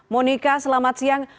monika selamat siang